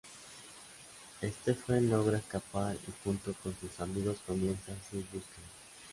Steffen logra escapar y junto con sus amigos comienza su búsqueda.